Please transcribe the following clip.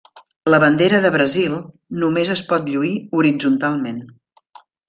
La bandera del Brasil només es pot lluir horitzontalment.